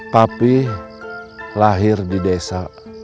papi lahir di desa